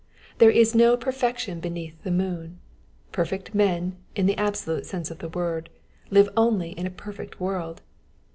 There is no perfection beneath the moon. Perfect men, in the absolute sense of the word, live only in a perfect world.